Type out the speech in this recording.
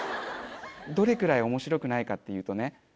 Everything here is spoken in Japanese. どれくらい面白くないかっていうとね。